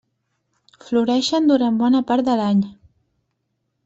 Floreixen durant bona part de l'any.